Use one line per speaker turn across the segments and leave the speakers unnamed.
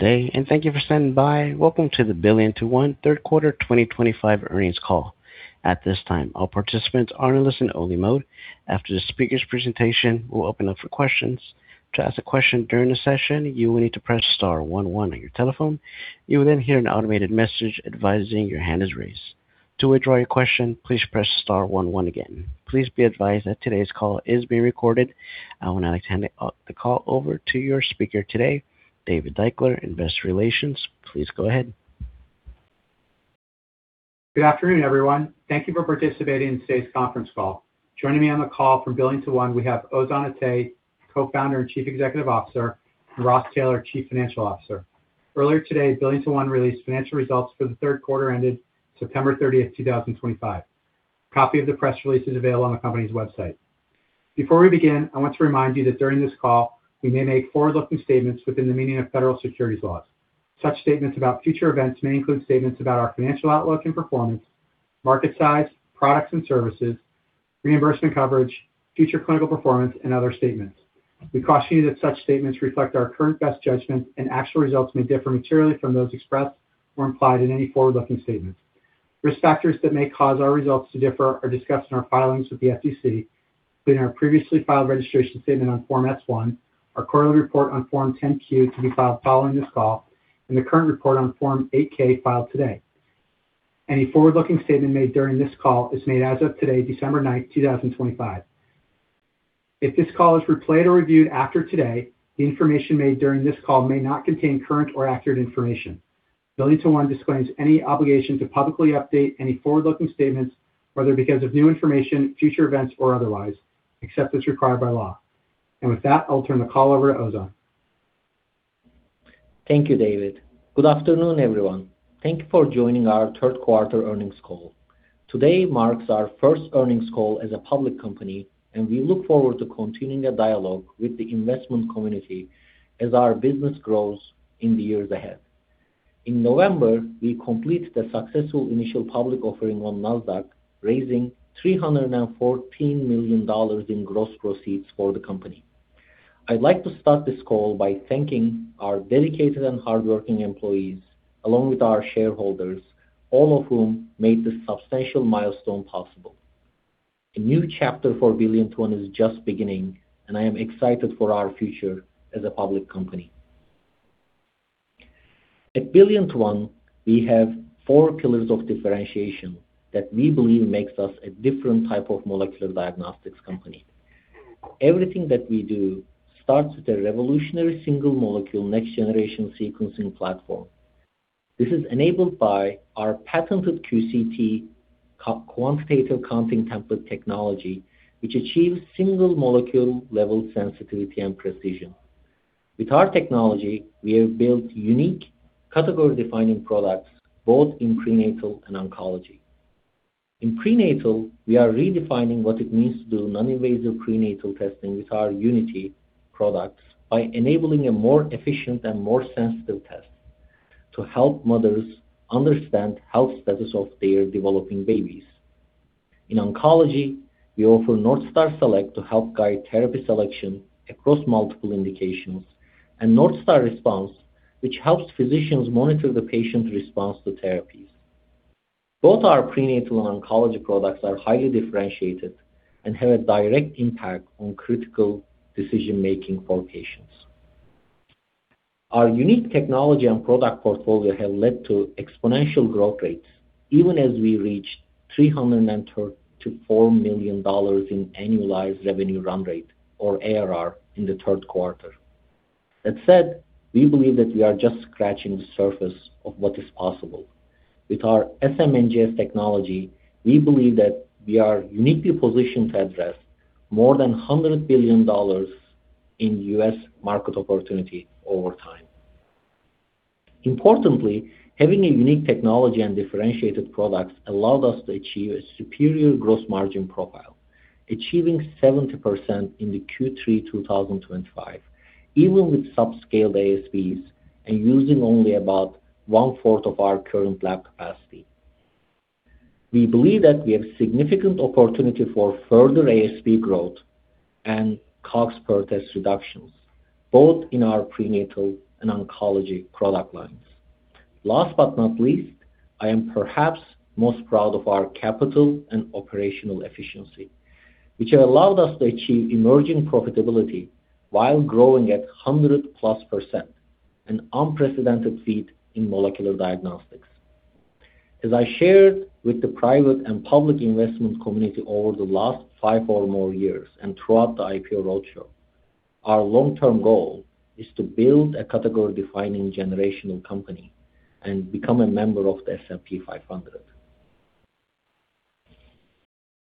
Good day, and thank you for standing by. Welcome to the BillionToOne Q3 2025 earnings call. At this time, all participants are in a listen-only mode. After the speaker's presentation, we'll open up for questions. To ask a question during the session, you will need to press star one one on your telephone. You will then hear an automated message advising your hand is raised. To withdraw your question, please press star one one again. Please be advised that today's call is being recorded. I would now like to hand the call over to your speaker today, David Deichler, Investor Relations. Please go ahead.
Good afternoon, everyone. Thank you for participating in today's conference call. Joining me on the call from BillionToOne, we have Oguzhan Atey, Co-founder and Chief Executive Officer, and Ross Taylor, Chief Financial Officer. Earlier today, BillionToOne released financial results for the third quarter ended September 30th, 2025. A copy of the press release is available on the company's website. Before we begin, I want to remind you that during this call, we may make forward-looking statements within the meaning of federal securities laws. Such statements about future events may include statements about our financial outlook and performance, market size, products and services, reimbursement coverage, future clinical performance, and other statements. We caution you that such statements reflect our current best judgment, and actual results may differ materially from those expressed or implied in any forward-looking statement. Risk factors that may cause our results to differ are discussed in our filings with the SEC, including our previously filed registration statement on Form S-1, our quarterly report on Form 10-Q to be filed following this call, and the current report on Form 8-K filed today. Any forward-looking statement made during this call is made as of today, December 9th, 2025. If this call is replayed or reviewed after today, the information made during this call may not contain current or accurate information. BillionToOne disclaims any obligation to publicly update any forward-looking statements, whether because of new information, future events, or otherwise, except as required by law. And with that, I'll turn the call over to Oguzhan.
Thank you, David. Good afternoon, everyone. Thank you for joining our Q3 earnings call. Today marks our first earnings call as a public company, and we look forward to continuing the dialogue with the investment community as our business grows in the years ahead. In November, we completed a successful initial public offering on NASDAQ, raising $314 million in gross proceeds for the company. I'd like to start this call by thanking our dedicated and hardworking employees, along with our shareholders, all of whom made this substantial milestone possible. A new chapter for BillionToOne is just beginning, and I am excited for our future as a public company. At BillionToOne, we have four pillars of differentiation that we believe make us a different type of molecular diagnostics company. Everything that we do starts with a revolutionary single-molecule next-generation sequencing platform. This is enabled by our patented QCT, Quantitative Counting Template Technology, which achieves single-molecule level sensitivity and precision. With our technology, we have built unique category-defining products both in prenatal and oncology. In prenatal, we are redefining what it means to do non-invasive prenatal testing with our UnityToOne products by enabling a more efficient and more sensitive test to help mothers understand the health status of their developing babies. In oncology, we offer Northstar Select to help guide therapy selection across multiple indications, and Northstar Response, which helps physicians monitor the patient's response to therapies. Both our prenatal and oncology products are highly differentiated and have a direct impact on critical decision-making for patients. Our unique technology and product portfolio have led to exponential growth rates, even as we reached $334 million in annualized revenue run rate, or ARR, in the third quarter. That said, we believe that we are just scratching the surface of what is possible. With our SMNGS technology, we believe that we are uniquely positioned to address more than $100 billion in U.S. market opportunity over time. Importantly, having a unique technology and differentiated products allowed us to achieve a superior gross margin profile, achieving 70% in Q3 2025, even with subscaled ASVs and using only about one-fourth of our current lab capacity. We believe that we have significant opportunity for further ASV growth and COGS per test reductions, both in our prenatal and oncology product lines. Last but not least, I am perhaps most proud of our capital and operational efficiency, which have allowed us to achieve emerging profitability while growing at +100 %, an unprecedented feat in molecular diagnostics. As I shared with the private and public investment community over the last five or more years and throughout the IPO roadshow, our long-term goal is to build a category-defining generational company and become a member of the S&P 500.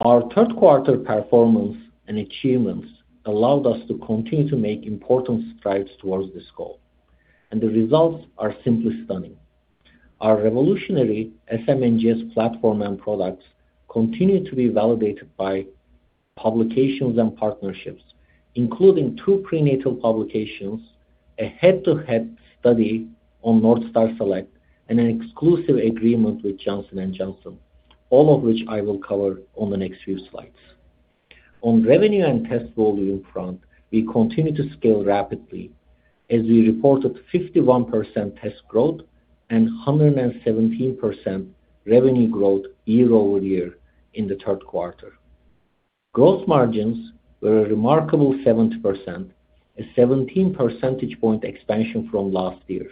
Our Q3 performance and achievements allowed us to continue to make important strides towards this goal, and the results are simply stunning. Our revolutionary SMNGS platform and products continue to be validated by publications and partnerships, including two prenatal publications, a head-to-head study on Northstar Select, and an exclusive agreement with Johnson & Johnson, all of which I will cover on the next few slides. On revenue and test volume front, we continue to scale rapidly as we reported 51% test growth and 117% revenue growth year-over-year in Q3. Gross margins were a remarkable 70%, a 17 percentage point expansion from last year,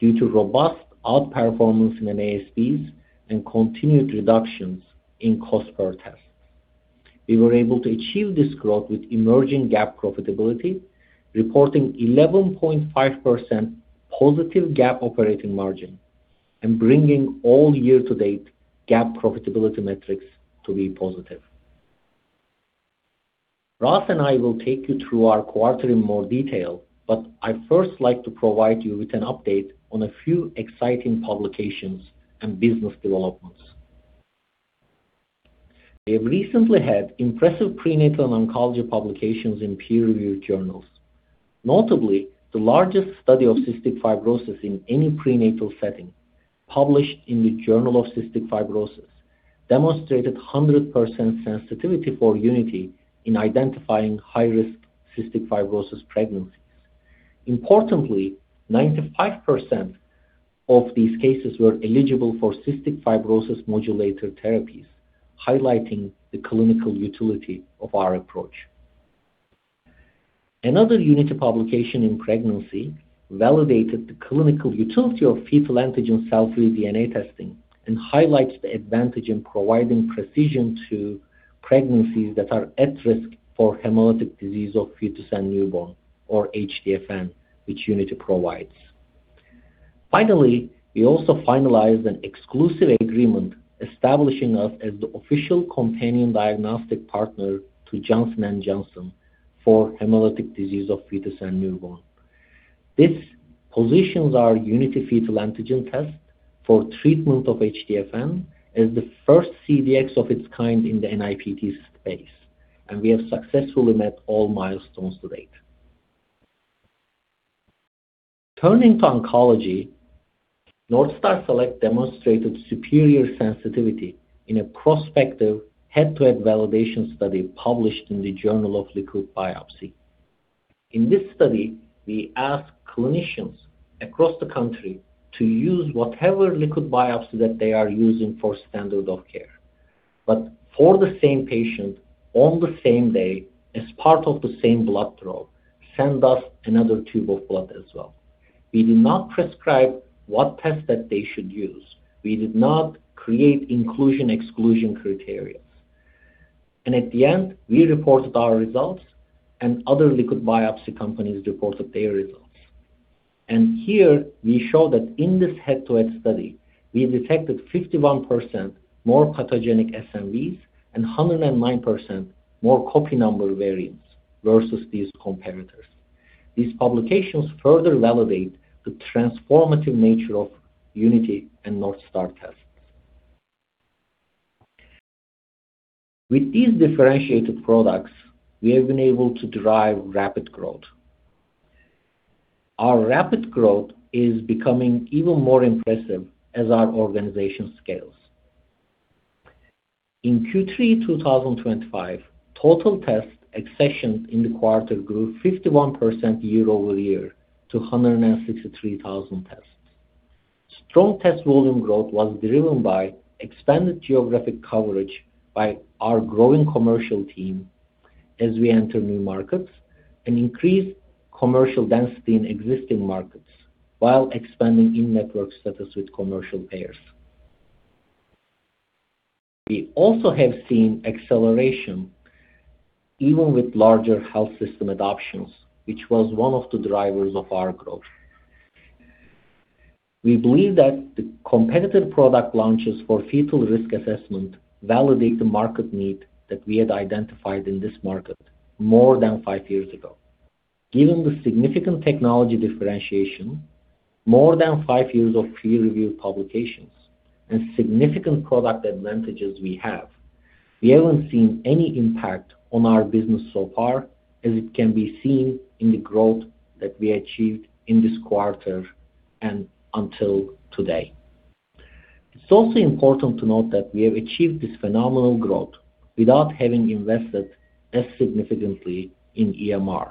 due to robust outperformance in ASVs and continued reductions in cost per test. We were able to achieve this growth with emerging GAAP profitability, reporting 11.5% positive GAAP operating margin and bringing all year-to-date GAAP profitability metrics to be positive. Ross and I will take you through our quarter in more detail, but I first like to provide you with an update on a few exciting publications and business developments. We have recently had impressive prenatal and oncology publications in peer-reviewed journals. Notably, the largest study of Cystic Fibrosis in any prenatal setting, published in the Journal of Cystic Fibrosis, demonstrated 100% sensitivity for UnityToOne in identifying high-risk Cystic Fibrosis pregnancies. Importantly, 95% of these cases were eligible for Cystic Fibrosis modulator therapies, highlighting the clinical utility of our approach. Another UnityToOne publication in pregnancy validated the clinical utility of fetal antigen cell-free DNA testing and highlights the advantage in providing precision to pregnancies that are at risk for hemolytic disease of fetus and newborn, or HDFN, which UnityToOne provides. Finally, we also finalized an exclusive agreement establishing us as the official companion diagnostic partner to Johnson & Johnson for hemolytic disease of fetus and newborn. This positions our UnityToOne fetal antigen test for treatment of HDFN as the first CDx of its kind in the NIPT space, and we have successfully met all milestones to date. Turning to oncology, Northstar Select demonstrated superior sensitivity in a prospective head-to-head validation study published in the Journal of Liquid Biopsy. In this study, we asked clinicians across the country to use whatever liquid biopsy that they are using for standard of care, but for the same patient, on the same day, as part of the same blood draw, send us another tube of blood as well. We did not prescribe what test that they should use. We did not create inclusion/exclusion criteria. At the end, we reported our results, and other liquid biopsy companies reported their results. Here, we show that in this head-to-head study, we detected 51% more pathogenic SMVs and 109% more copy number variants versus these comparators. These publications further validate the transformative nature of UnityToOne and Northstar tests. With these differentiated products, we have been able to drive rapid growth. Our rapid growth is becoming even more impressive as our organization scales. In Q3 2025, total test accession in the quarter grew 51% year-over-year to 163,000 tests. Strong test volume growth was driven by expanded geographic coverage by our growing commercial team as we enter new markets and increased commercial density in existing markets while expanding in-network status with commercial payers. We also have seen acceleration even with larger health system adoptions, which was one of the drivers of our growth. We believe that the competitive product launches for fetal risk assessment validate the market need that we had identified in this market more than five years ago. Given the significant technology differentiation, more than five years of peer-reviewed publications, and significant product advantages we have, we haven't seen any impact on our business so far as it can be seen in the growth that we achieved in this quarter and until today. It's also important to note that we have achieved this phenomenal growth without having invested as significantly in EMR.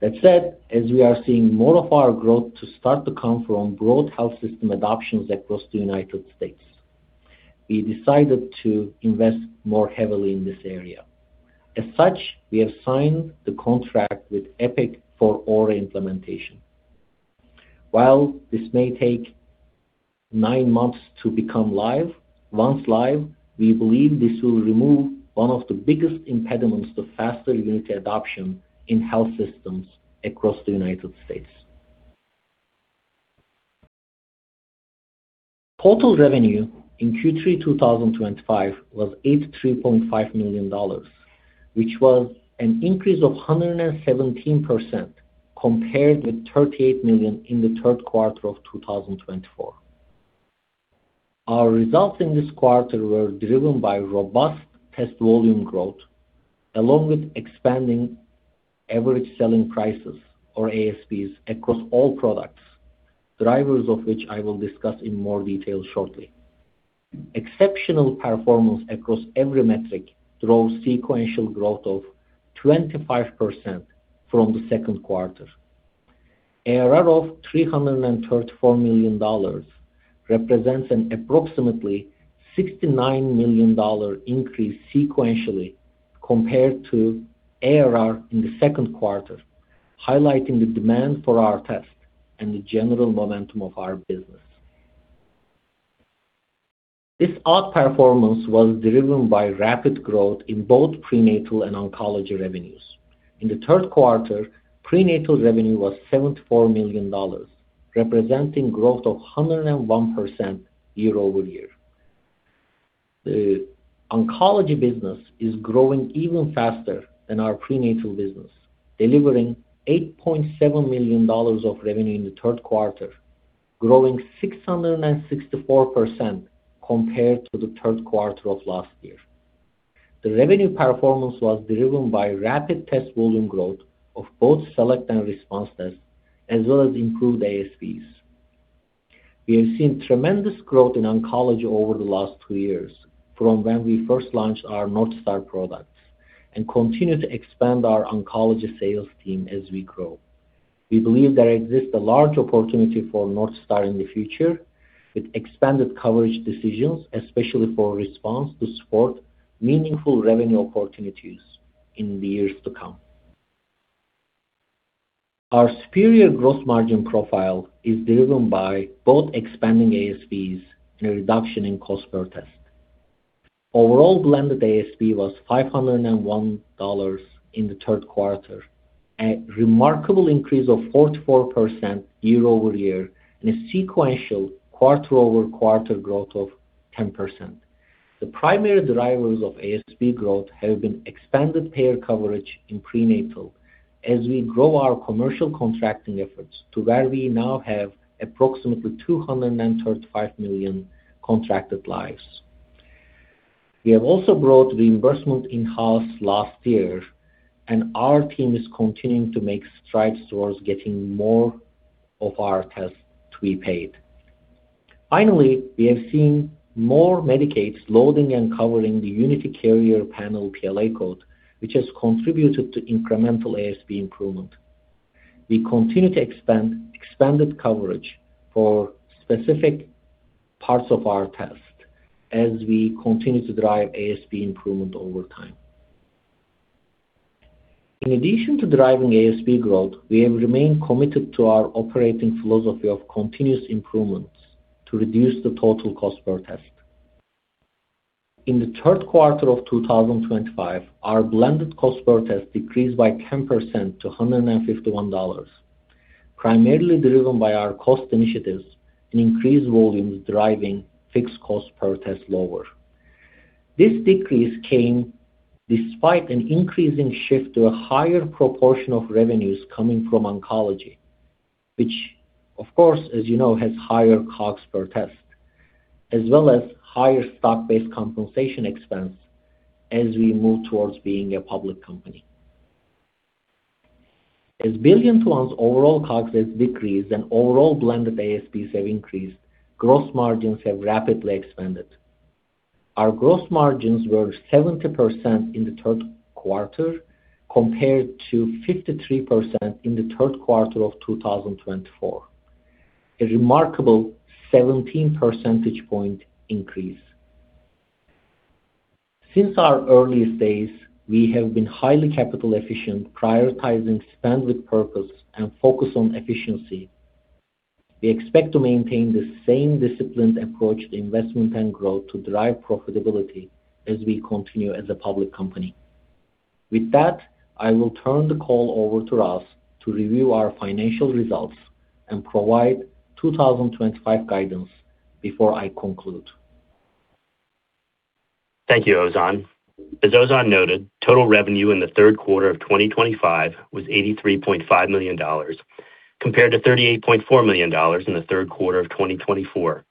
That said, as we are seeing more of our growth to start to come from broad health system adoptions across the United States, we decided to invest more heavily in this area. As such, we have signed the contract with Epic for Aura implementation. While this may take nine months to become live, once live, we believe this will remove one of the biggest impediments to faster UnityToOne adoption in health systems across the United States. Total revenue in Q3 2025 was $83.5 million, which was an increase of 117% compared with $38 million in Q3 2024. Our results in this quarter were driven by robust test volume growth, along with expanding average selling prices, or ASVs, across all products, drivers of which I will discuss in more detail shortly. Exceptional performance across every metric drove sequential growth of 25% from Q2. ARR of $334 million represents an approximately $69 million increase sequentially compared to ARR in Q2, highlighting the demand for our test and the general momentum of our business. This outperformance was driven by rapid growth in both prenatal and oncology revenues. In Q4, prenatal revenue was $74 million, representing growth of 101% year-over-year. The oncology business is growing even faster than our prenatal business, delivering $8.7 million of revenue in Q4, growing 664% compared to Q3 of last year. The revenue performance was driven by rapid test volume growth of both select and response tests, as well as improved ASVs. We have seen tremendous growth in oncology over the last two years from when we first launched our Northstar Select products and continue to expand our oncology sales team as we grow. We believe there exists a large opportunity for Northstar Select in the future with expanded coverage decisions, especially for Northstar Select Response to support meaningful revenue opportunities in the years to come. Our superior gross margin profile is driven by both expanding ASVs and a reduction in cost per test. Overall blended ASV was $501 in Q4, a remarkable increase of 44% year-over-year, and a sequential quarter-over-quarter growth of 10%. The primary drivers of ASV growth have been expanded payer coverage in prenatal as we grow our commercial contracting efforts to where we now have approximately 235 million contracted lives. We have also brought reimbursement in-house last year, and our team is continuing to make strides towards getting more of our tests to be paid. Finally, we have seen more Medicaids loading and covering the UnityToOne carrier panel PLA code, which has contributed to incremental ASV improvement. We continue to expand coverage for specific parts of our test as we continue to drive ASV improvement over time. In addition to driving ASV growth, we have remained committed to our operating philosophy of continuous improvements to reduce the total cost per test. In Q3 2025, our blended cost per test decreased by 10% to $151, primarily driven by our cost initiatives and increased volumes driving fixed cost per test lower. This decrease came despite an increasing shift to a higher proportion of revenues coming from oncology, which, of course, as you know, has higher COGS per test, as well as higher stock-based compensation expense as we move towards being a public company. As BillionToOne's overall COGS has decreased and overall blended ASVs have increased, gross margins have rapidly expanded. Our gross margins were 70% in Q3 compared to 53% in Q3 of 2024, a remarkable 17 percentage point increase. Since our earliest days, we have been highly capital-efficient, prioritizing spend with purpose and focus on efficiency. We expect to maintain the same disciplined approach to investment and growth to drive profitability as we continue as a public company. With that, I will turn the call over to Ross to review our financial results and provide 2025 guidance before I conclude.
Thank you, Oguzhan. As Oguzhan noted, total revenue in Q3 of 2025 was $83.5 million compared to $38.4 million in Q3 of 2024,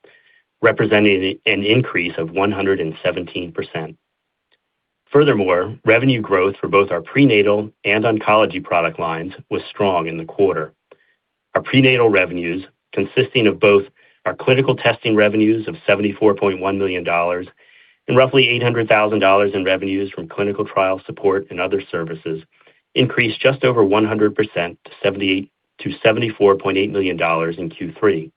representing an increase of 117%. Furthermore, revenue growth for both our prenatal and oncology product lines was strong in the quarter. Our prenatal revenues, consisting of both our clinical testing revenues of $74.1 million and roughly $800,000 in revenues from clinical trial support and other services, increased just over 100% to $74.8 million in Q3.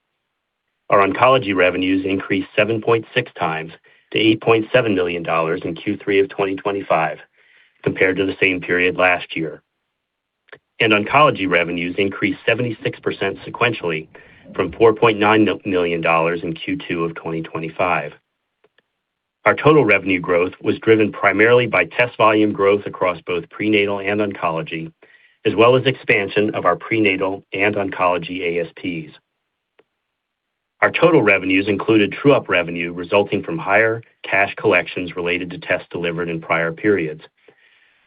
Our oncology revenues increased 7.6 times to $8.7 million in Q3 of 2025 compared to the same period last year, and oncology revenues increased 76% sequentially from $4.9 million in Q2 of 2025. Our total revenue growth was driven primarily by test volume growth across both prenatal and oncology, as well as expansion of our prenatal and oncology ASPs. Our total revenues included true-up revenue resulting from higher cash collections related to tests delivered in prior periods.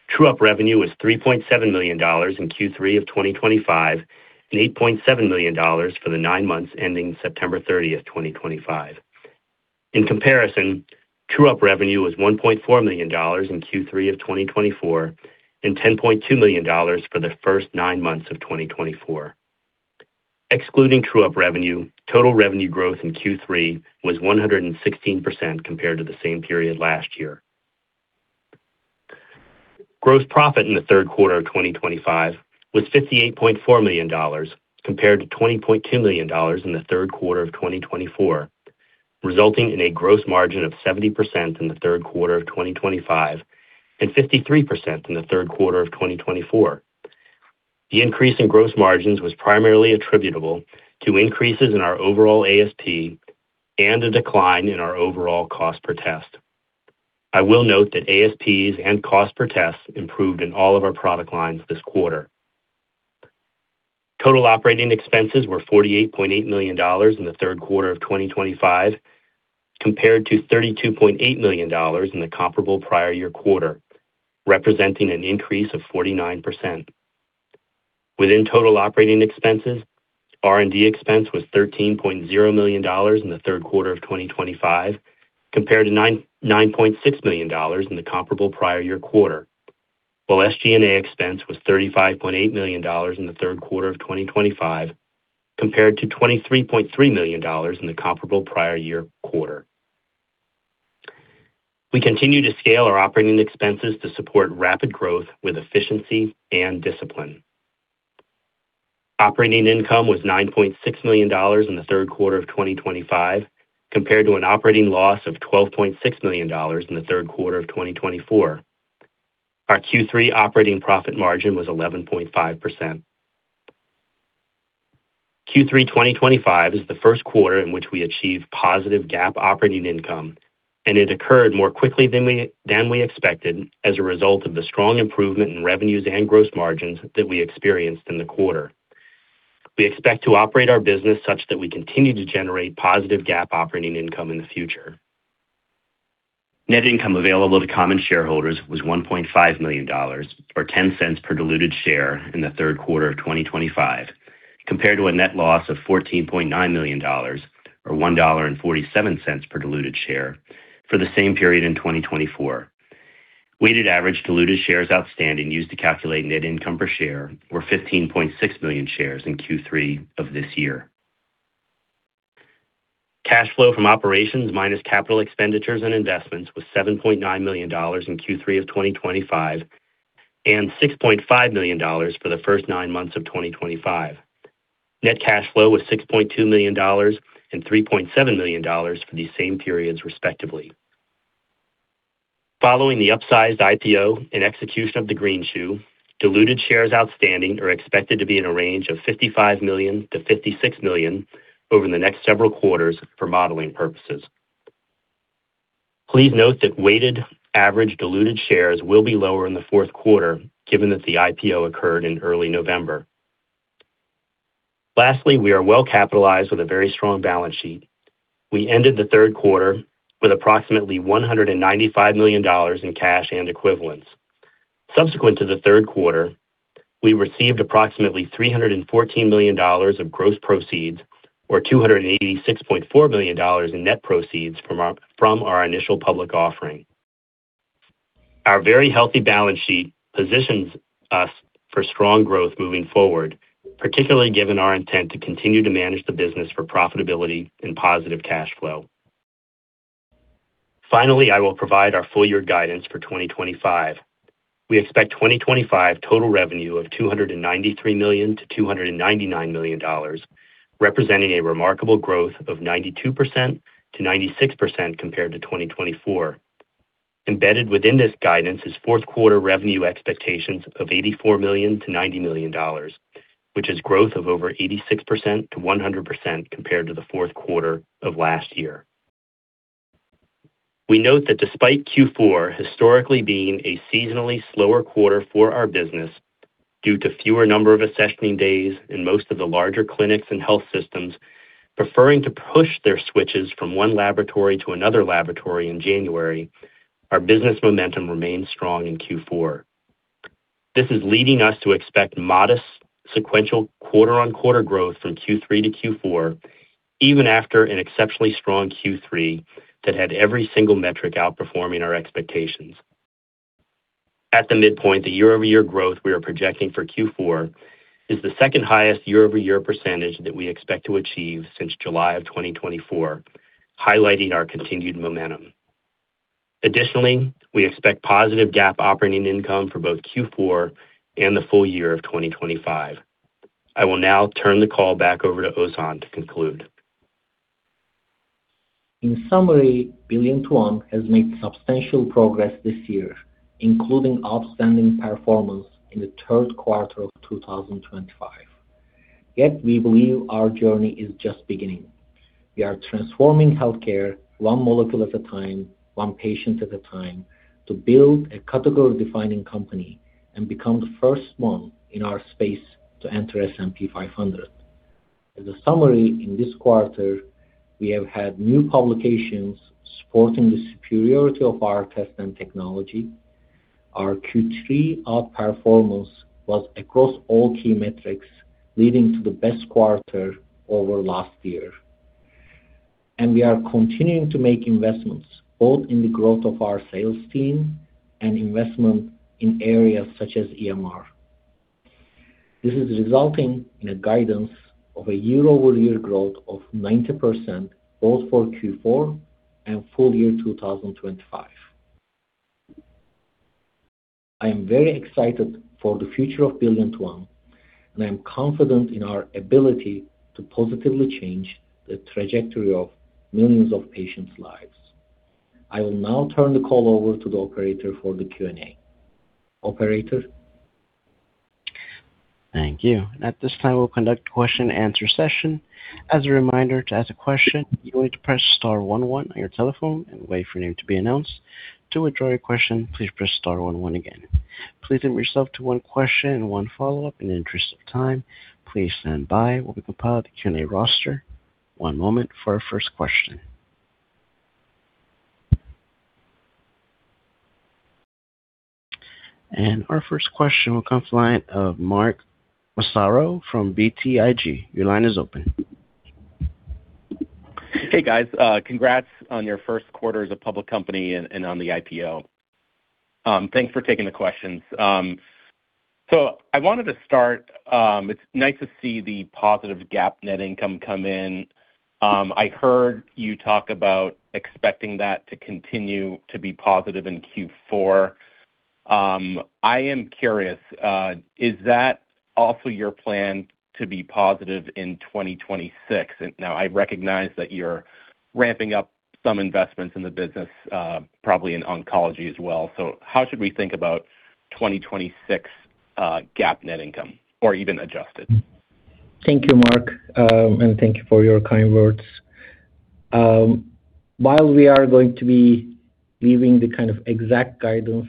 True-up revenue was $3.7 million in Q3 of 2025 and $8.7 million for the nine months ending September 30th, 2025. In comparison, true-up revenue was $1.4 million in Q3 of 2024 and $10.2 million for the first nine months of 2024. Excluding true-up revenue, total revenue growth in Q3 was 116% compared to the same period last year. Gross profit in Q3 of 2025 was $58.4 million compared to $20.2 million in Q3 of 2024, resulting in a gross margin of 70% in Q3 of 2025 and 53% in Q3 of 2024. The increase in gross margins was primarily attributable to increases in our overall ASV and a decline in our overall cost per test. I will note that ASVs and cost per tests improved in all of our product lines this quarter. Total operating expenses were $48.8 million in Q3 of 2025 compared to $32.8 million in the comparable prior year quarter, representing an increase of 49%. Within total operating expenses, R&D expense was $13.0 million in Q3 of 2025 compared to $9.6 million in the comparable prior year quarter, while SG&A expense was $35.8 million in Q3 of 2025 compared to $23.3 million in the comparable prior year quarter. We continue to scale our operating expenses to support rapid growth with efficiency and discipline. Operating income was $9.6 million in Q3 of 2025 compared to an operating loss of $12.6 million in Q3 of 2024. Our Q3 operating profit margin was 11.5%. Q3 2025 is the first quarter in which we achieved positive GAAP operating income, and it occurred more quickly than we expected as a result of the strong improvement in revenues and gross margins that we experienced in the quarter. We expect to operate our business such that we continue to generate positive GAAP operating income in the future. Net income available to common shareholders was $1.5 million, or $0.10 per diluted share in Q3 of 2025, compared to a net loss of $14.9 million, or $1.47 per diluted share for the same period in 2024. Weighted average diluted shares outstanding used to calculate net income per share were 15.6 million shares in Q3 of this year. Cash flow from operations minus capital expenditures and investments was $7.9 million in Q3 of 2025 and $6.5 million for the first nine months of 2025. Net cash flow was $6.2 million and $3.7 million for these same periods, respectively. Following the upsized IPO and execution of the green shoe, diluted shares outstanding are expected to be in a range of $55 million-$56 million over the next several quarters for modeling purposes. Please note that weighted average diluted shares will be lower in Q4, given that the IPO occurred in early November. Lastly, we are well-capitalized with a very strong balance sheet. We ended Q3 with approximately $195 million in cash and equivalents. Subsequent to Q3, we received approximately $314 million of gross proceeds, or $286.4 million in net proceeds from our initial public offering. Our very healthy balance sheet positions us for strong growth moving forward, particularly given our intent to continue to manage the business for profitability and positive cash flow. Finally, I will provide our full year guidance for 2025. We expect 2025 total revenue of $293 million to $299 million, representing a remarkable growth of 92%-96% compared to 2024. Embedded within this guidance is Q4 revenue expectations of $84 million-$90 million, which is growth of over 86%-100% compared to Q4 of last year. We note that despite Q4 historically being a seasonally slower quarter for our business due to fewer number of accessioning days in most of the larger clinics and health systems preferring to push their switches from one laboratory to another laboratory in January, our business momentum remained strong in Q4. This is leading us to expect modest sequential quarter-on-quarter growth from Q3 to Q4, even after an exceptionally strong Q3 that had every single metric outperforming our expectations. At the midpoint, the year-over-year growth we are projecting for Q4 is the second highest year-over-year percentage that we expect to achieve since July of 2024, highlighting our continued momentum. Additionally, we expect positive GAAP operating income for both Q4 and the full year of 2025. I will now turn the call back over to Oguzhan to conclude.
In summary, BillionToOne has made substantial progress this year, including outstanding performance in Q3 of 2025. Yet, we believe our journey is just beginning. We are transforming healthcare one molecule at a time, one patient at a time, to build a category-defining company and become the first one in our space to enter S&P 500. As a summary, in this quarter, we have had new publications supporting the superiority of our test and technology. Our Q3 outperformance was across all key metrics, leading to the best quarter over last year, and we are continuing to make investments both in the growth of our sales team and investment in areas such as EMR. This is resulting in a guidance of a year-over-year growth of 90% both for Q4 and full year 2025. I am very excited for the future of BillionToOne, and I am confident in our ability to positively change the trajectory of millions of patients' lives. I will now turn the call over to the operator for the Q&A. Operator.
Thank you. At this time, we'll conduct a question-and-answer session. As a reminder, to ask a question, you'll need to press star one one on your telephone and wait for your name to be announced. To withdraw your question, please press star one one again. Please limit yourself to one question and one follow-up in the interest of time. Please stand by while we compile the Q&A roster. One moment for our first question. And our first question will come from the line of Mark Massaro from BTIG. Your line is open.
Hey, guys. Congrats on your first quarter as a public company and on the IPO. Thanks for taking the questions. So I wanted to start, it's nice to see the positive GAAP net income come in. I heard you talk about expecting that to continue to be positive in Q4. I am curious, is that also your plan to be positive in 2026? Now, I recognize that you're ramping up some investments in the business, probably in oncology as well. So how should we think about 2026 GAAP net income, or even adjusted?
Thank you, Mark, and thank you for your kind words. While we are going to be leaving the kind of exact guidance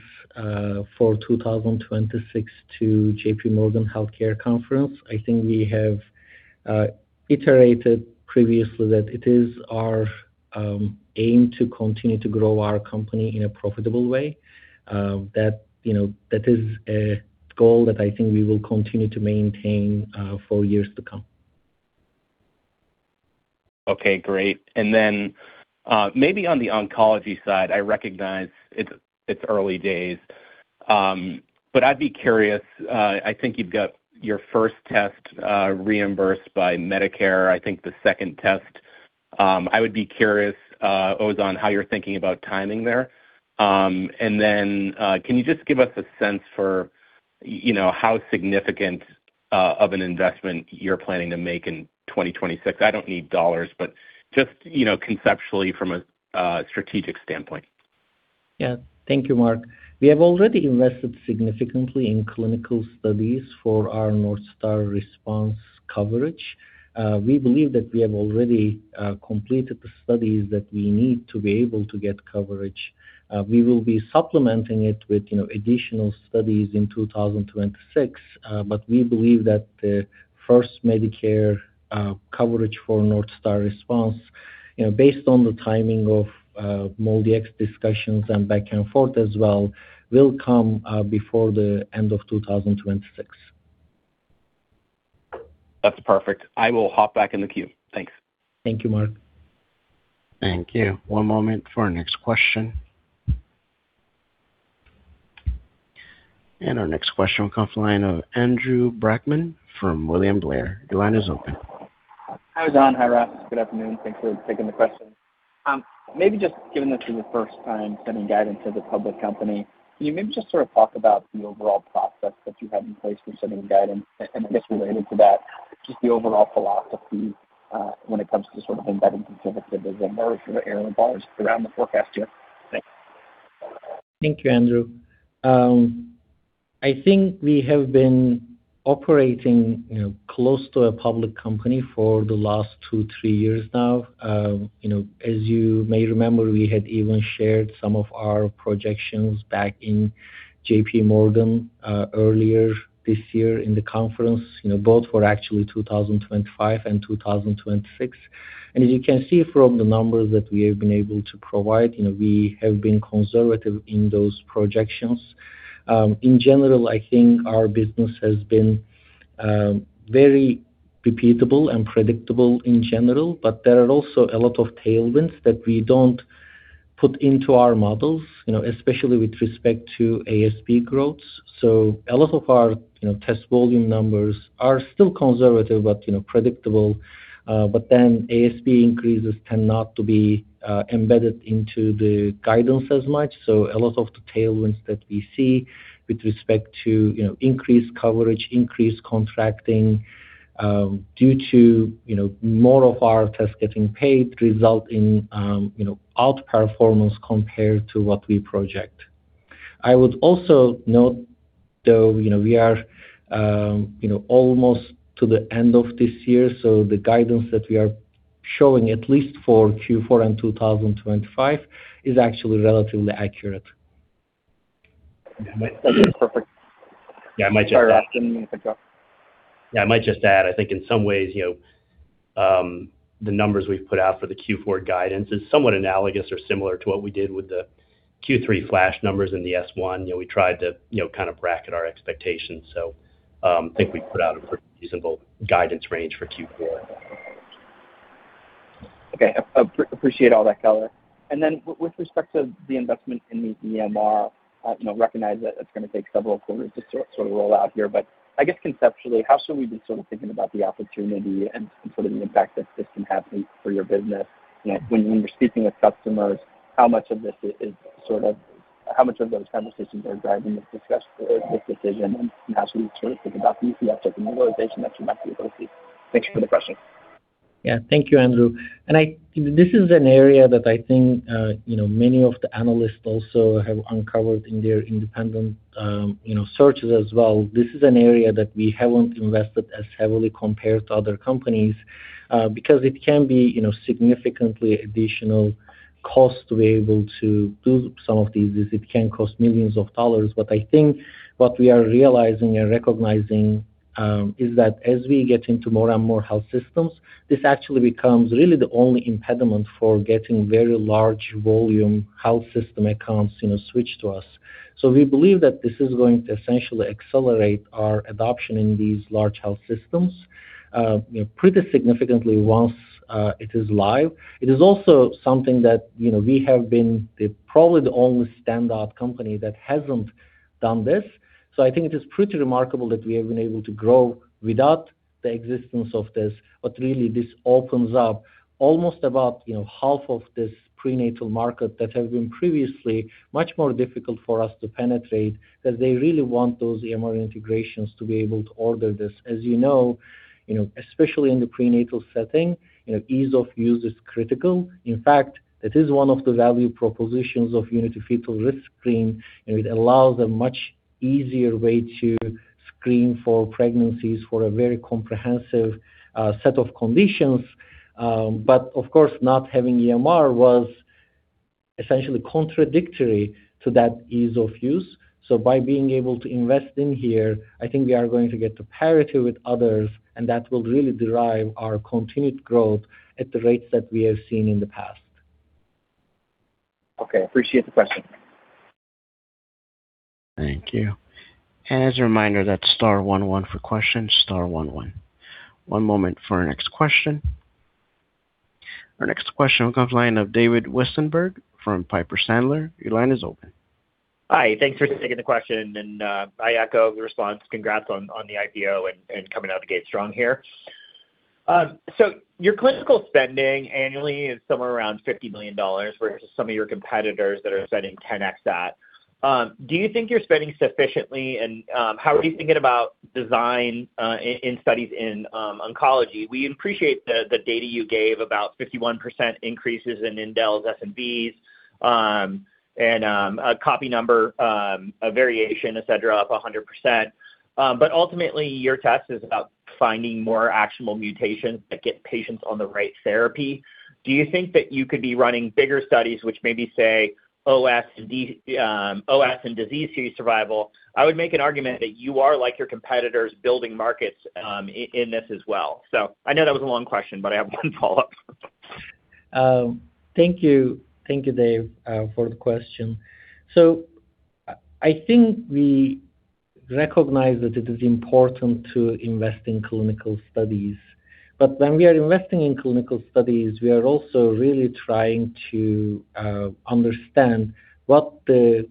for 2026 to JPMorgan Healthcare Conference, I think we have iterated previously that it is our aim to continue to grow our company in a profitable way. That is a goal that I think we will continue to maintain for years to come.
Okay, great. And then maybe on the oncology side, I recognize it's early days. But I'd be curious. I think you've got your first test reimbursed by Medicare. I think the second test. I would be curious, Oguzhan, how you're thinking about timing there. And then can you just give us a sense for how significant of an investment you're planning to make in 2026? I don't need dollars, but just conceptually from a strategic standpoint.
Yeah, thank you, Mark. We have already invested significantly in clinical studies for our Northstar Select Response coverage. We believe that we have already completed the studies that we need to be able to get coverage. We will be supplementing it with additional studies in 2026, but we believe that the first Medicare coverage for Northstar Select Response, based on the timing of MolDX discussions and back and forth as well, will come before the end of 2026.
That's perfect. I will hop back in the queue. Thanks.
Thank you, Mark.
Thank you. One moment for our next question. Our next question will come from the line of Andrew Brackman from William Blair. Your line is open.
Hi, Oguzhan. Hi, Ross. Good afternoon. Thanks for taking the question. Maybe just given this is the first time sending guidance as a public company, can you maybe just sort of talk about the overall process that you have in place for sending guidance? I guess related to that, just the overall philosophy when it comes to sort of embedding conservatism or sort of error bars around the forecast year?
Thank you, Andrew. I think we have been operating close to a public company for the last two, three years now. As you may remember, we had even shared some of our projections back in JPMorgan earlier this year in the conference, both for actually 2025 and 2026. And as you can see from the numbers that we have been able to provide, we have been conservative in those projections. In general, I think our business has been very repeatable and predictable in general, but there are also a lot of tailwinds that we don't put into our models, especially with respect to ASV growth. So a lot of our test volume numbers are still conservative but predictable. But then ASV increases tend not to be embedded into the guidance as much. So a lot of the tailwinds that we see with respect to increased coverage, increased contracting due to more of our tests getting paid result in outperformance compared to what we project. I would also note, though, we are almost to the end of this year, so the guidance that we are showing, at least for Q4 and 2025, is actually relatively accurate.
That's perfect.
Yeah, I might just add.
Sorry, Ross.
Yeah, I might just add, I think in some ways, the numbers we've put out for the Q4 guidance is somewhat analogous or similar to what we did with the Q3 flash numbers in the S-1. We tried to kind of bracket our expectations. So I think we've put out a pretty reasonable guidance range for Q4. Okay.
Appreciate all that color. With respect to the investment in the EMR, I recognize that it's going to take several quarters to sort of roll out here. But I guess conceptually, how should we be sort of thinking about the opportunity and sort of the impact that this can have for your business? When you're speaking with customers, how much of those conversations are driving this decision, and how should we sort of think about the effect and the realization that you might be able to see? Thanks for the question.
Yeah, thank you, Andrew. This is an area that I think many of the analysts also have uncovered in their independent searches as well. This is an area that we haven't invested as heavily compared to other companies because it can be significantly additional cost to be able to do some of these. It can cost millions of dollars, but I think what we are realizing and recognizing is that as we get into more and more health systems, this actually becomes really the only impediment for getting very large volume health system accounts switched to us, so we believe that this is going to essentially accelerate our adoption in these large health systems pretty significantly once it is live. It is also something that we have been probably the only standout company that hasn't done this, so I think it is pretty remarkable that we have been able to grow without the existence of this, but really, this opens up almost about half of this prenatal market that has been previously much more difficult for us to penetrate because they really want those EMR integrations to be able to order this. As you know, especially in the prenatal setting, ease of use is critical. In fact, that is one of the value propositions of Unity Fetal Risk Screen. It allows a much easier way to screen for pregnancies for a very comprehensive set of conditions. But of course, not having EMR was essentially contradictory to that ease of use. So by being able to invest in here, I think we are going to get to parity with others, and that will really drive our continued growth at the rates that we have seen in the past.
Okay. Appreciate the question.
Thank you, and as a reminder, that's star one one for questions, star one one. One moment for our next question. Our next question will come from the line of David Westenberg from Piper Sandler. Your line is open.
Hi. Thanks for taking the question, and I echo the response. Congrats on the IPO and coming out of the gate strong here. So your clinical spending annually is somewhere around $50 million, whereas some of your competitors that are spending 10x that. Do you think you're spending sufficiently? And how are you thinking about design in studies in oncology? We appreciate the data you gave about 51% increases in indels, SMVs, and a copy number variant, etc., up 100%. But ultimately, your test is about finding more actionable mutations that get patients on the right therapy. Do you think that you could be running bigger studies, which maybe say OS and disease-free survival? I would make an argument that you are like your competitors building markets in this as well. So I know that was a long question, but I have one follow-up.
Thank you. Thank you, Dave, for the question. So I think we recognize that it is important to invest in clinical studies. But when we are investing in clinical studies, we are also really trying to understand what the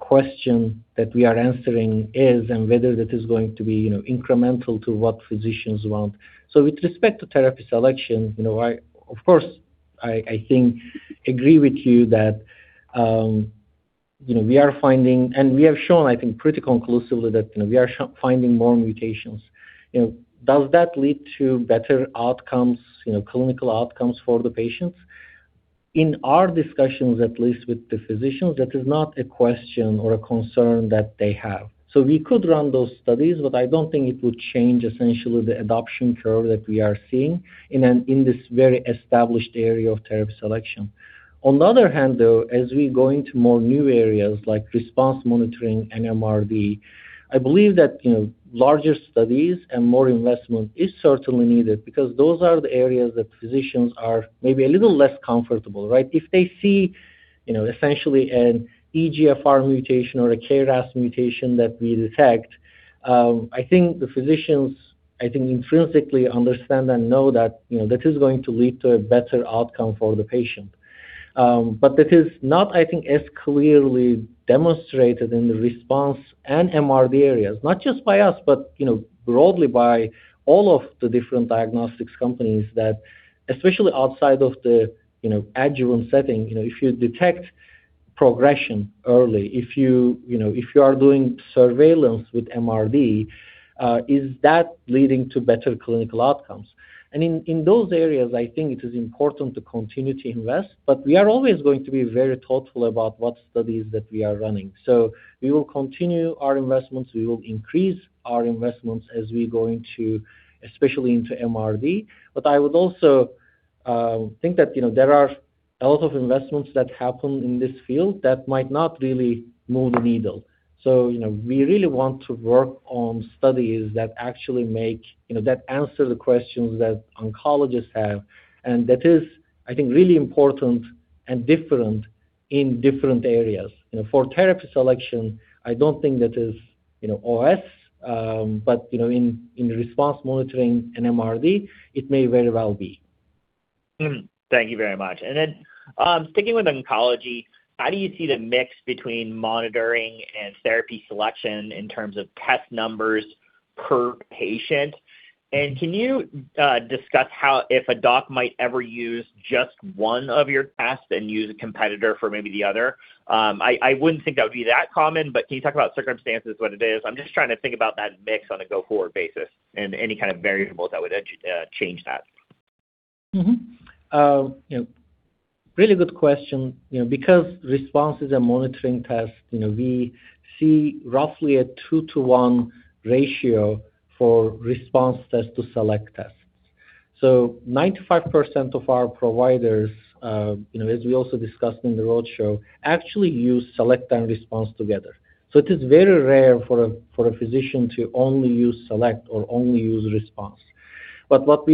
question that we are answering is and whether that is going to be incremental to what physicians want. So with respect to therapy selection, of course, I think I agree with you that we are finding and we have shown, I think, pretty conclusively that we are finding more mutations. Does that lead to better outcomes, clinical outcomes for the patients? In our discussions, at least with the physicians, that is not a question or a concern that they have. So we could run those studies, but I don't think it would change essentially the adoption curve that we are seeing in this very established area of therapy selection. On the other hand, though, as we go into more new areas like response monitoring and MRD, I believe that larger studies and more investment is certainly needed because those are the areas that physicians are maybe a little less comfortable, right? If they see essentially an EGFR mutation or a KRAS mutation that we detect, I think the physicians, I think, intrinsically understand and know that that is going to lead to a better outcome for the patient. But that is not, I think, as clearly demonstrated in the response and MRD areas, not just by us, but broadly by all of the different diagnostics companies that, especially outside of the adjuvant setting, if you detect progression early, if you are doing surveillance with MRD, is that leading to better clinical outcomes? And in those areas, I think it is important to continue to invest. But we are always going to be very thoughtful about what studies that we are running. So we will continue our investments. We will increase our investments as we go into, especially into MRD. But I would also think that there are a lot of investments that happen in this field that might not really move the needle. So we really want to work on studies that actually make that answer the questions that oncologists have. And that is, I think, really important and different in different areas. For therapy selection, I don't think that is OS, but in response monitoring and MRD, it may very well be.
Thank you very much. And then sticking with Oncology, how do you see the mix between monitoring and therapy selection in terms of test numbers per patient? Can you discuss how if a doc might ever use just one of your tests and use a competitor for maybe the other? I wouldn't think that would be that common, but can you talk about circumstances what it is? I'm just trying to think about that mix on a go-forward basis and any kind of variables that would change that.
Really good question. Because Response and monitoring tests, we see roughly a two-to-one ratio for Response test to Select tests. So 95% of our providers, as we also discussed in the roadshow, actually use Select and Response together. So it is very rare for a physician to only use Select or only use Response. What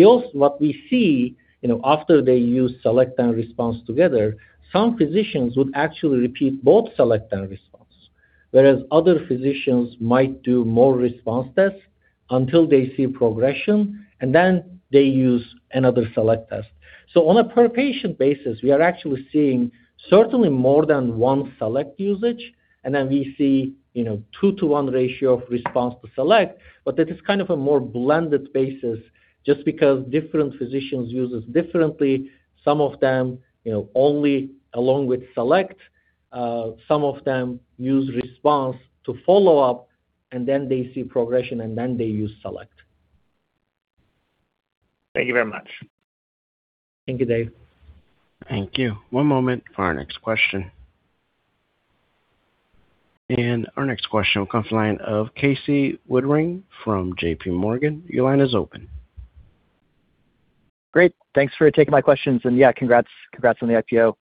we see after they use select and response together, some physicians would actually repeat both select and response, whereas other physicians might do more response tests until they see progression, and then they use another select test. On a Per-Patient basis, we are actually seeing certainly more than one select usage. We see a two-to-one ratio of response to select, but that is kind of a more blended basis just because different physicians use it differently. Some of them only along with select. Some of them use response to follow up, and then they see progression, and then they use select.
Thank you very much.
Thank you, Dave.
Thank you. One moment for our next question. Our next question will come from the line of Casey Woodring from JPMorgan. Your line is open. Great.
Thanks for taking my questions. Yeah, congrats on the IPO.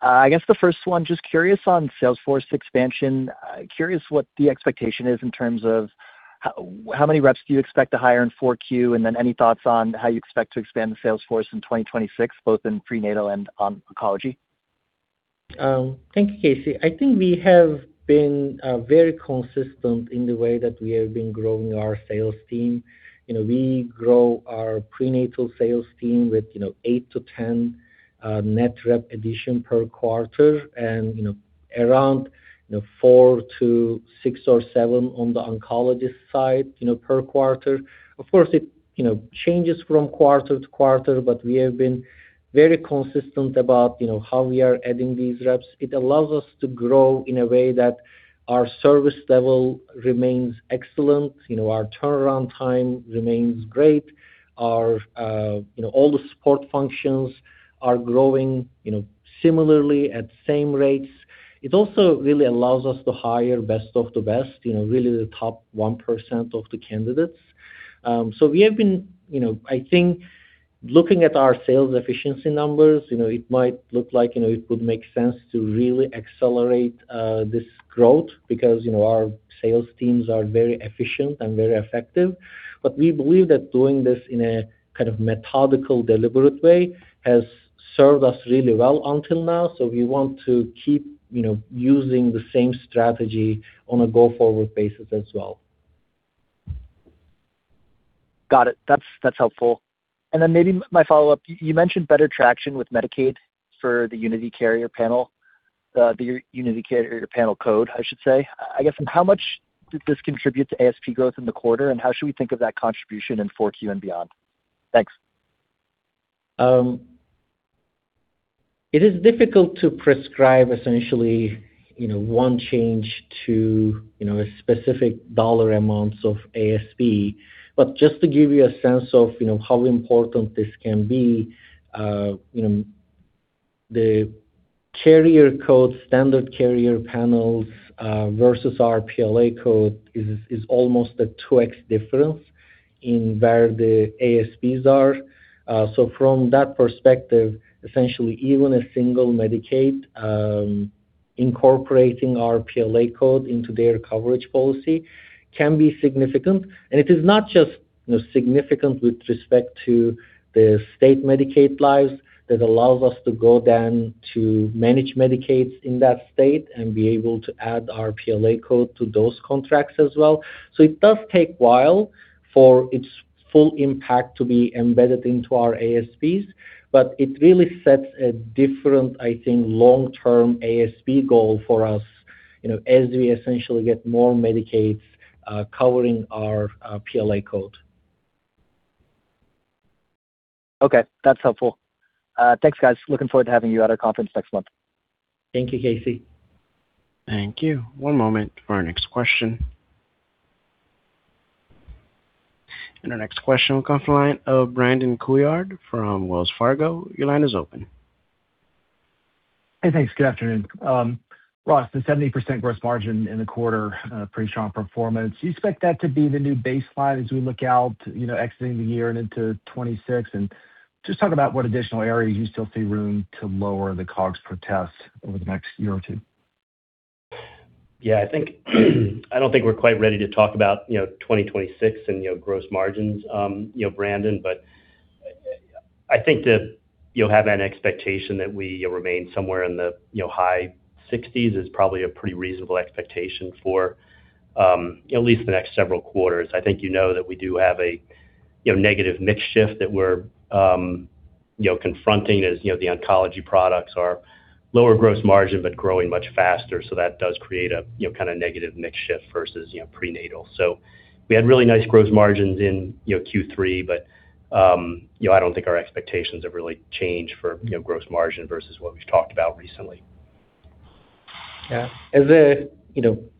I guess the first one, just curious on sales force expansion. Curious what the expectation is in terms of how many reps do you expect to hire in Q4, and then any thoughts on how you expect to expand sales force in 2026, both in prenatal and Oncology?
Thank you, Casey. I think we have been very consistent in the way that we have been growing our sales team. We grow our prenatal sales team with eight-10 net rep addition per quarter and around four to six or seven on the Oncology side per quarter. Of course, it changes from quarter-to-quarter, but we have been very consistent about how we are adding these reps. It allows us to grow in a way that our service level remains excellent. Our turnaround time remains great. All the support functions are growing similarly at same rates. It also really allows us to hire best of the best, really the top 1% of the candidates. So we have been, I think, looking at our sales efficiency numbers. It might look like it would make sense to really accelerate this growth because our sales teams are very efficient and very effective. But we believe that doing this in a kind of methodical, deliberate way has served us really well until now. So we want to keep using the same strategy on a go-forward basis as well.
Got it. That's helpful. And then maybe my follow-up. You mentioned better traction with Medicaid for the Unity Carrier panel, the Unity Carrier panel code, I should say. I guess, how much did this contribute to ASP growth in the quarter, and how should we think of that contribution in Q4 and beyond? Thanks.
It is difficult to predict essentially one change to a specific dollar amounts of ASP. But just to give you a sense of how important this can be, the carrier code, standard carrier panels versus our PLA code is almost a 2x difference in where the ASPs are. So from that perspective, essentially, even a single Medicaid incorporating our PLA code into their coverage policy can be significant. And it is not just significant with respect to the state Medicaid lives that allows us to go then to manage Medicaid in that state and be able to add our PLA code to those contracts as well. So it does take a while for its full impact to be embedded into our ASPs, but it really sets a different, I think, long-term ASP goal for us as we essentially get more Medicaid covering our PLA code.
Okay. That's helpful. Thanks, guys. Looking forward to having you at our conference next month.
Thank you, Casey.
Thank you. One moment for our next question. And our next question will come from the line of Brandon Couillard from Wells Fargo. Your line is open.
Hey, thanks. Good afternoon. Ross, the 70% gross margin in the quarter, pretty strong performance. Do you expect that to be the new baseline as we look out exiting the year and into 2026? And just talk about what additional areas you still see room to lower the COGS per test over the next year or two.
Yeah. I don't think we're quite ready to talk about 2026 and gross margins, Brandon, but I think to have an expectation that we remain somewhere in the high 60s% is probably a pretty reasonable expectation for at least the next several quarters. I think you know that we do have a negative mix shift that we're confronting as the oncology products are lower gross margin but growing much faster. So that does create a kind of negative mix shift versus prenatal. So we had really nice gross margins in Q3, but I don't think our expectations have really changed for gross margin versus what we've talked about recently.
Yeah. As a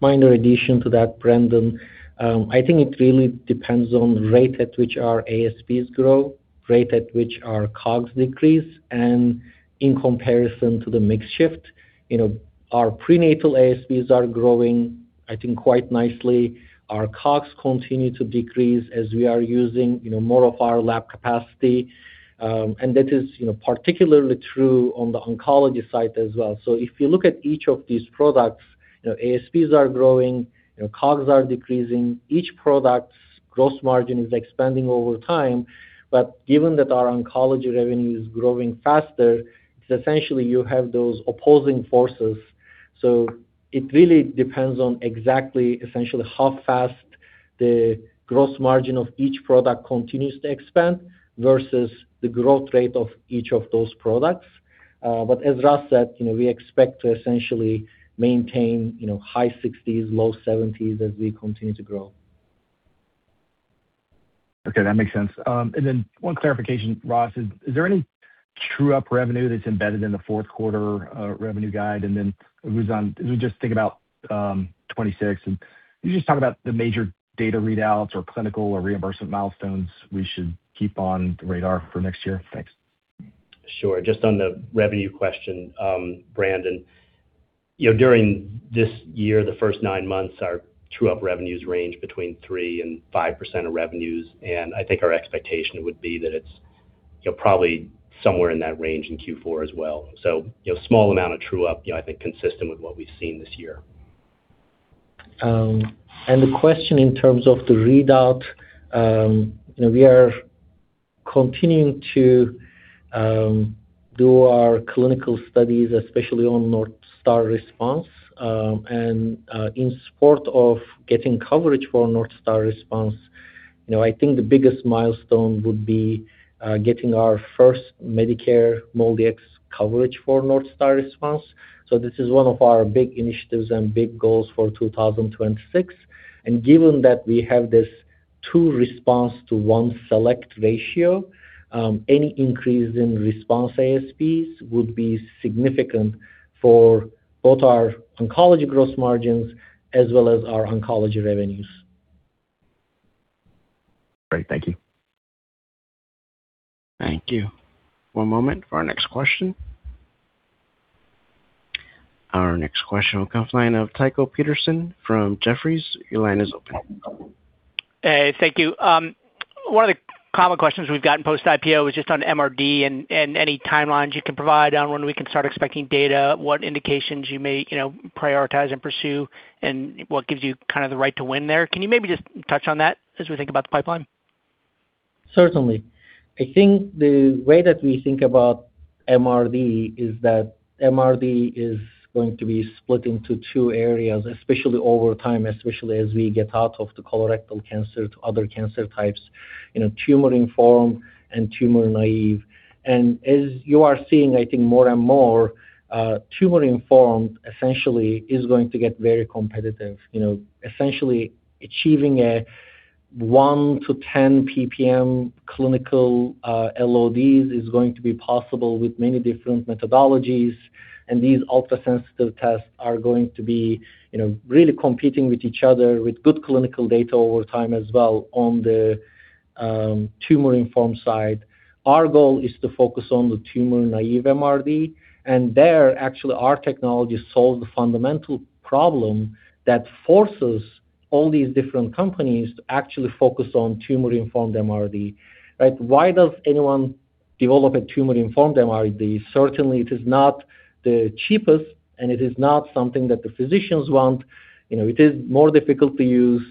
minor addition to that, Brandon, I think it really depends on the rate at which our ASPs grow, rate at which our COGS decrease, and in comparison to the mix shift. Our prenatal ASPs are growing, I think, quite nicely. Our COGS continue to decrease as we are using more of our lab capacity. And that is particularly true on the Oncology side as well. So if you look at each of these products, ASPs are growing, COGS are decreasing. Each product's gross margin is expanding over time. But given that our oncology revenue is growing faster, essentially, you have those opposing forces. So it really depends on exactly essentially how fast the gross margin of each product continues to expand versus the growth rate of each of those products. But as Ross said, we expect to essentially maintain high 60s%, low 70s% as we continue to grow.
Okay. That makes sense. And then one clarification, Ross, is there any true-up revenue that's embedded in the fourth quarter revenue guide? And then as we just think about 2026, and you just talk about the major data readouts or clinical or reimbursement milestones we should keep on the radar for next year. Thanks.
Sure. Just on the revenue question, Brandon, during this year, the first nine months, our true-up revenues range between 3% and 5% of revenues. And I think our expectation would be that it's probably somewhere in that range in Q4 as well. So small amount of true-up, I think, consistent with what we've seen this year.
And the question in terms of the readout, we are continuing to do our clinical studies, especially on Northstar Select Response. And in support of getting coverage for Northstar Select Response, I think the biggest milestone would be getting our first Medicare/MolDX coverage for Northstar Select Response. So this is one of our big initiatives and big goals for 2026. And given that we have this two response to one select ratio, any increase in response ASPs would be significant for both our oncology gross margins as well as our oncology revenues.
Great. Thank you.
Thank you. One moment for our next question. Our next question will come from the line of Tycho Peterson from Jefferies. Your line is open.
Hey, thank you. One of the common questions we've gotten post-IPO is just on MRD and any timelines you can provide on when we can start expecting data, what indications you may prioritize and pursue, and what gives you kind of the right to win there. Can you maybe just touch on that as we think about the pipeline?
Certainly. I think the way that we think about MRD is that MRD is going to be split into two areas, especially over time, especially as we get out of the colorectal cancer to other cancer types, tumor-informed and tumor-naive. And as you are seeing, I think more and more, tumor-informed essentially is going to get very competitive. Essentially, achieving a 1-10 PPM clinical LODs is going to be possible with many different methodologies. These ultrasensitive tests are going to be really competing with each other with good clinical data over time as well on the tumor-informed side. Our goal is to focus on the tumor-naive MRD. There, actually, our technology solves the fundamental problem that forces all these different companies to actually focus on tumor-informed MRD. Right? Why does anyone develop a tumor-informed MRD? Certainly, it is not the cheapest, and it is not something that the physicians want. It is more difficult to use.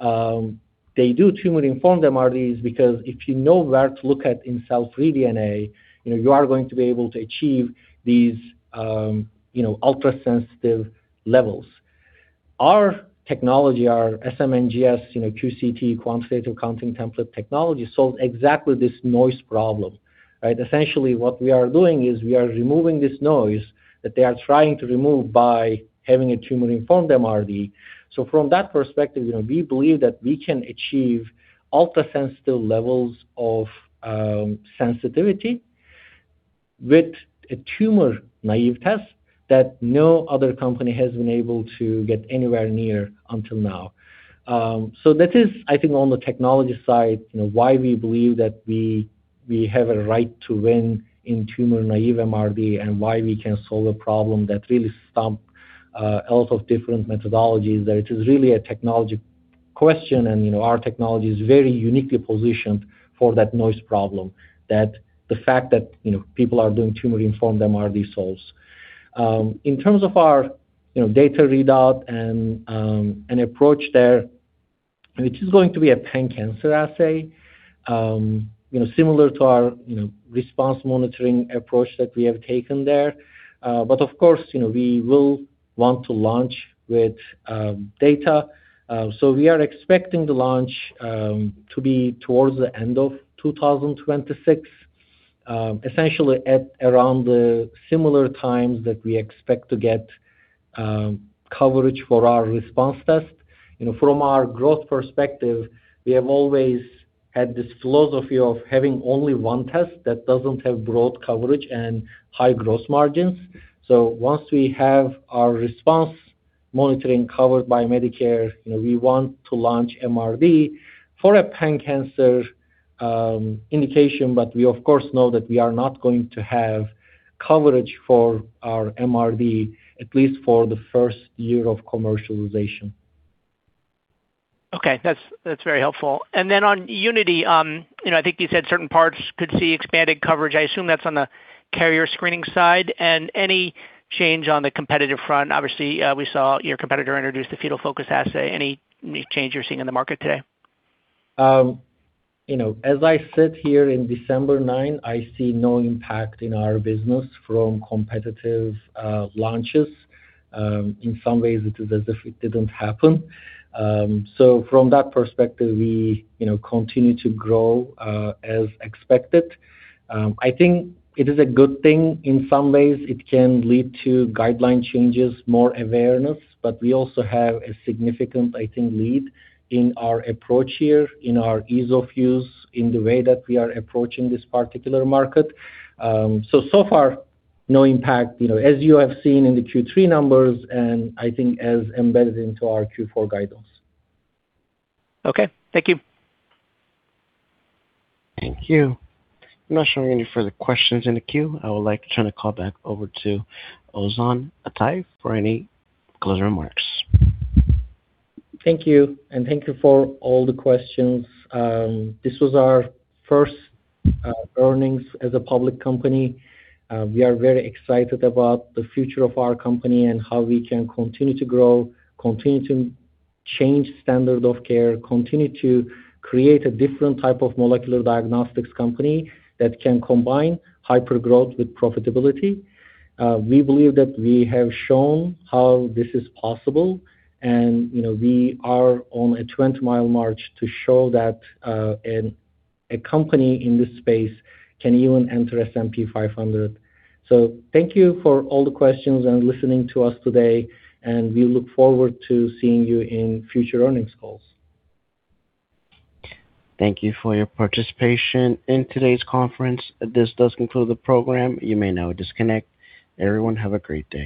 They do tumor-informed MRDs because if you know where to look at in cell-free DNA, you are going to be able to achieve these ultrasensitive levels. Our technology, our SMNGS, QCT, Quantitative Counting Template Technology, solves exactly this noise problem. Right? Essentially, what we are doing is we are removing this noise that they are trying to remove by having a tumor-informed MRD. So from that perspective, we believe that we can achieve ultrasensitive levels of sensitivity with a tumor-naive test that no other company has been able to get anywhere near until now. So that is, I think, on the technology side, why we believe that we have a right to win in tumor-naive MRD and why we can solve a problem that really stumps a lot of different methodologies. That it is really a technology question, and our technology is very uniquely positioned for that noise problem, that the fact that people are doing tumor-informed MRD solves. In terms of our data readout and approach there, it is going to be a pan-cancer assay, similar to our response monitoring approach that we have taken there. But of course, we will want to launch with data. We are expecting the launch to be towards the end of 2026, essentially at around the similar times that we expect to get coverage for our response test. From our growth perspective, we have always had this philosophy of having only one test that doesn't have broad coverage and high gross margins. Once we have our response monitoring covered by Medicare, we want to launch MRD for a pan-cancer indication, but we, of course, know that we are not going to have coverage for our MRD, at least for the first year of commercialization.
Okay. That's very helpful. And then on UnityToOne, I think you said certain parts could see expanded coverage. I assume that's on the carrier screening side. And any change on the competitive front? Obviously, we saw your competitor introduce the Fetal Focus assay. Any change you're seeing in the market today?
As I sit here in December 9, I see no impact in our business from competitive launches. In some ways, it is as if it didn't happen. So from that perspective, we continue to grow as expected. I think it is a good thing. In some ways, it can lead to guideline changes, more awareness, but we also have a significant, I think, lead in our approach here, in our ease of use, in the way that we are approaching this particular market. So so far, no impact, as you have seen in the Q3 numbers and I think as embedded into our Q4 guidance.
Okay. Thank you.
Thank you. I'm not showing any further questions in the queue. I would like to turn the call back over to Oguzhan Atey for any closing remarks.
Thank you. And thank you for all the questions. This was our first earnings as a public company. We are very excited about the future of our company and how we can continue to grow, continue to change standard of care, continue to create a different type of molecular diagnostics company that can combine hypergrowth with profitability. We believe that we have shown how this is possible, and we are on a 20-mile march to show that a company in this space can even enter S&P 500. So thank you for all the questions and listening to us today, and we look forward to seeing you in future earnings calls.
Thank you for your participation in today's conference. This does conclude the program. You may now disconnect. Everyone, have a great day.